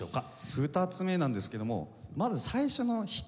２つ目なんですけどもまず最初の一振り目。